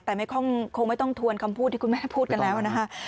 แต่คงไม่ต้องทวนคำพูดที่คุณแม่พูดกันแล้วนะคะ